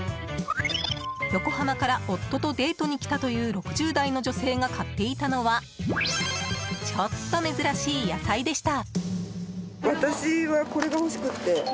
横浜から夫とデートに来たという６０代の女性が買っていたのはちょっと珍しい野菜でした。